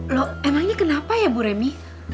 loh emangnya kenapa ya bu remy